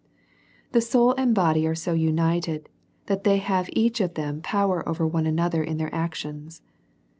The soul and body are so united that they have each of them power over one another in their actions.